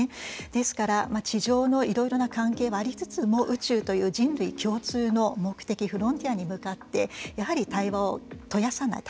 ですから地上のいろいろな関係はありつつも宇宙という人類共通の目的フロンティアに向かってやはり対話を絶やさない。